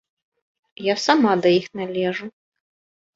Я сама да іх належу.